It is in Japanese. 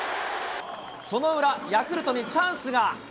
その裏、ヤクルトにチャンスが。